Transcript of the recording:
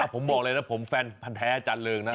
ผมบอกเลยนะผมแฟนพันธ์แท้อาจารย์เริงนะ